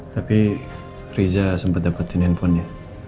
tapi riza sempat dapetin hpnya